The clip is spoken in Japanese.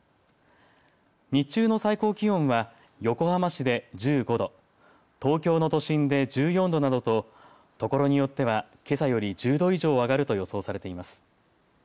日中の最高気温は横浜市で１５度東京の都心で１４度などと所によってはけさより１０度以上上がると予想されています。